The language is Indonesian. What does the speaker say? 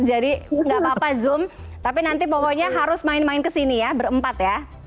jadi nggak apa apa zoom tapi nanti pokoknya harus main main kesini ya berempat ya